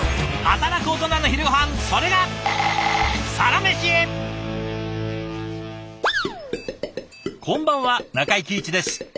働くオトナの昼ごはんそれがこんばんは中井貴一です。